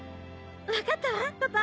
分かったわパパ。